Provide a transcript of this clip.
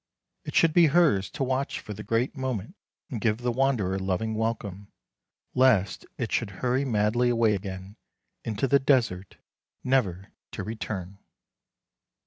It should be hers to watch for the great moment, and give the wan derer loving welcome, lest it should hurry madly away again into the desert, never to return.